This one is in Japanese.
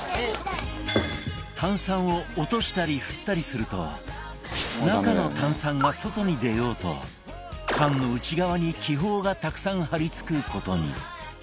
炭酸を落としたり振ったりすると中の炭酸が外に出ようと缶の内側に気泡がたくさん張り付く事に